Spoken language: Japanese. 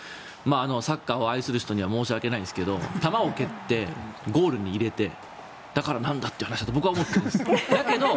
サッカーを愛する人には申し訳ないですが球を蹴ってゴールに入れてだからなんだという話だと僕は思っています。